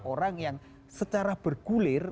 orang yang secara bergulir